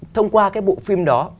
thông qua cái bộ phim đó